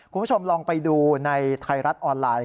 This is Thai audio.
คุณผู้ชมลองไปดูในไทยรัฐออนไลน์